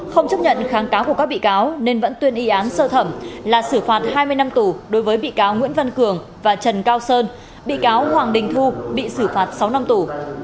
không chấp nhận kháng cáo của các bị cáo nên vẫn tuyên y án sơ thẩm là xử phạt hai mươi năm tù đối với bị cáo nguyễn văn cường và trần cao sơn bị cáo hoàng đình thu bị xử phạt sáu năm tù